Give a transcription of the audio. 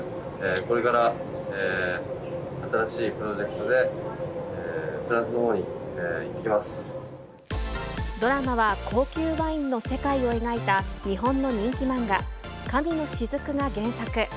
これから新しいプロジェクトで、ドラマは、高級ワインの世界を描いた日本の人気漫画、神の雫が原作。